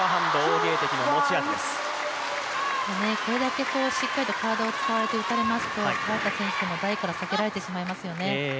これだけしっかりと体を使われて打たれますと早田選手も台から下げられてしまいますよね。